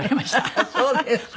あっそうですか。